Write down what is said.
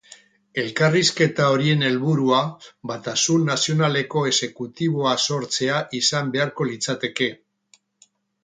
Elkarrizketa horien helburua batasun nazionaleko exekutiboa sortzea izan beharko litzateke.